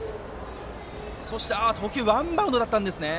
そして投球はワンバウンドだったんですね。